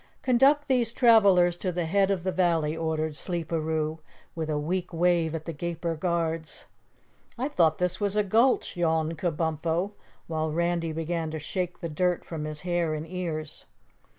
"Conduct these travelers to the head of the valley," ordered Sleeperoo, with a weak wave at the Gaper Guards. "I thought this was a gulch," yawned Kabumpo, while Randy began to shake the dirt from his hair and ears.